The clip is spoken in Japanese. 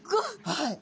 はい。